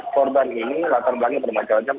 korban ini latar belakangnya bermacam macam